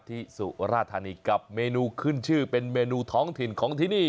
สุราธานีกับเมนูขึ้นชื่อเป็นเมนูท้องถิ่นของที่นี่